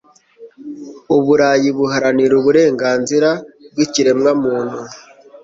u burayi buharanira uburenganzira bw ikiremwamuntu